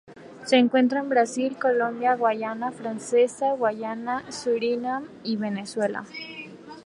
Se encuentra en Brasil, Colombia, Guayana Francesa, Guayana, Surinam y Venezuela.